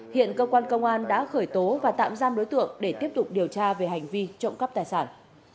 hiện cơ quan công an đã khởi tố và tạm giam đối tượng để tiếp tục điều tra về hành vi trộm cắp tài sản